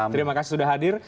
terima kasih sudah hadir